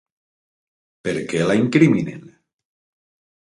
Per què la incriminen?